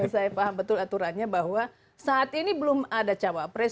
saya paham betul aturannya bahwa saat ini belum ada cawapres